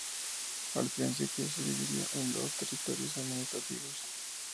Al principio, se dividió en dos territorios administrativos.